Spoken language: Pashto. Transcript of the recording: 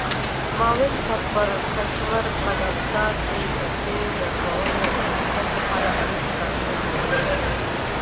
معاون سرپرکمشر قدمدار د سرتیرو د ارزونې او پرمختګ لپاره اړین پلانونه جوړوي.